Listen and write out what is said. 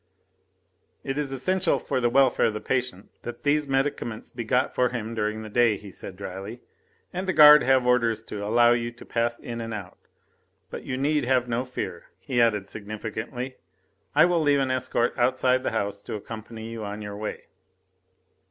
"It is essential for the welfare of the patient that these medicaments be got for him during the day," he said dryly, "and the guard have orders to allow you to pass in and out. But you need have no fear," he added significantly, "I will leave an escort outside the house to accompany you on your way."